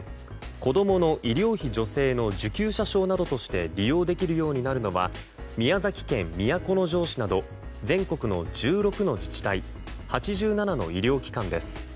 子供の医療費助成の受給者証などとして利用できるようになるのは宮崎県都城市など全国の１６の自治体８７の医療機関です。